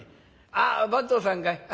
「あ番頭さんかい。